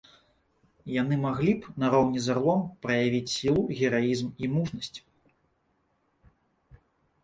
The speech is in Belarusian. Яны маглі б, нароўні з арлом, праявіць сілу, гераізм і мужнасць.